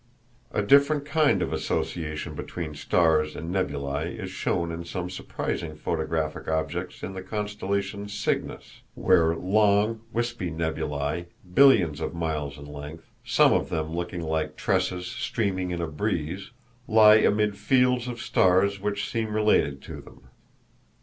A different kind of association between stars and nebulæ is shown in some surprising photographic objects in the constellation Cygnus, where long, wispy nebulæ, billions of miles in length, some of them looking like tresses streaming in a breeze, lie amid fields of stars which seem related to them.